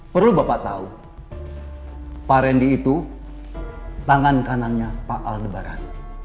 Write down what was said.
perlu bapak tahu pak randy itu tangan kanannya pak al debaran